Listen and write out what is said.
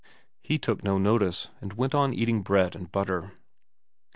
He took no notice, and went on eating bread and butter.